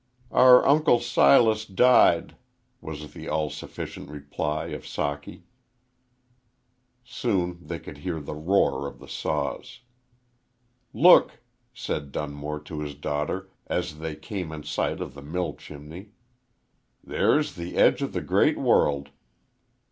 "Our Uncle Silas died," was the all sufficient reply of Socky. Soon they could hear the roar of the saws. "Look!" said Dunmore to his daughter, as they came in sight of the mill chimney. "There's the edge of the great world."